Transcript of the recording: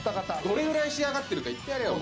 どれぐらい仕上がってるか言ってやれよ